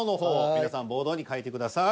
皆さんボードに書いてください。